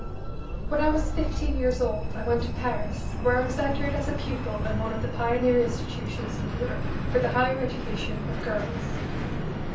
When I was fifteen years old I went to Paris, where I was entered as a pupil in one of the pioneer institutions in Europe for the higher education of girls.